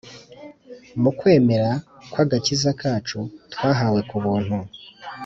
m’ukwemera kw’agakiza kacu twahawe kubuntu